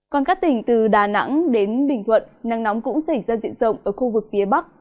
còn các tỉnh từ đà nẵng đến bình thuận nắng nóng cũng xảy ra diện rộng ở khu vực phía bắc